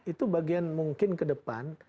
itu bagian mungkin ke depan